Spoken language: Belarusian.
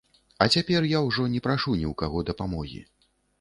А цяпер я ўжо не прашу ні ў каго дапамогі.